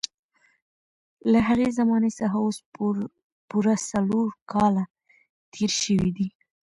له هغې زمانې څخه اوس پوره څلور کاله تېر شوي دي.